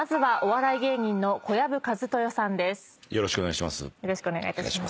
よろしくお願いします。